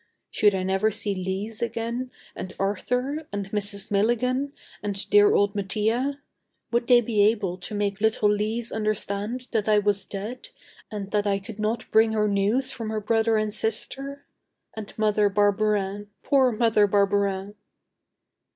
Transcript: Should I never see Lise again, and Arthur, and Mrs. Milligan, and dear old Mattia. Would they be able to make little Lise understand that I was dead, and that I could not bring her news from her brothers and sister! And Mother Barberin, poor Mother Barberin!...